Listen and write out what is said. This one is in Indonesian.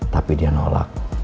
tapi dia nolak